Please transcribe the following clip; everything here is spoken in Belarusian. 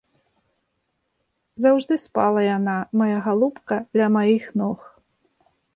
Заўжды спала яна, мая галубка, ля маіх ног.